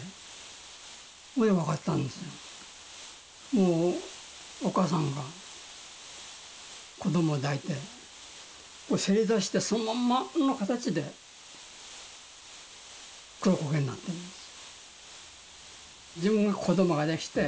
もうお母さんが子供を抱いて正座してそのまんまの形で黒焦げになってるんです。